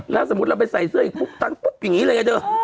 แล้วสมมุติเราไปใส่เสื้ออีกปุ๊บตั้งปุ๊บอย่างนี้เลยไงเธอ